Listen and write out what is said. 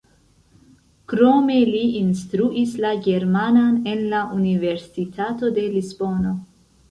Krome li instruis la germanan en la Universitato de Lisbono.